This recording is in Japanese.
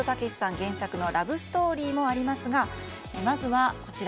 原作のラブストーリーもありますがまずはこちら。